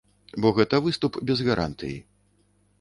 Бо гэта выступ без гарантыі.